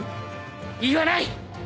言わない！